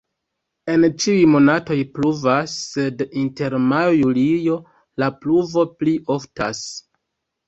En ĉiuj monatoj pluvas, sed inter majo-julio la pluvo pli oftas.